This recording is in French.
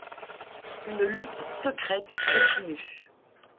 Une lutte secrète continue.